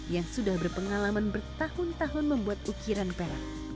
yang sudah berpengalaman bertahun tahun membuat ukiran perak